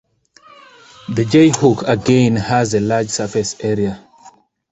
The 'J Hook' again has a large surface area.